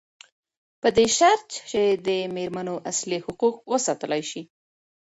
پدی شرط چي د میرمنو اصلي حقوق وساتلای سي.